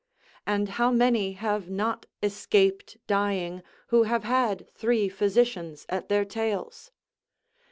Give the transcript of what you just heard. And how many have not escaped dying, who have had three physicians at their tails?